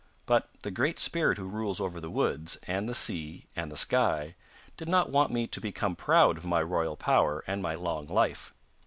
But the great spirit who rules over the woods, and the sea, and the sky, did not want me to become proud of my royal power and my long life.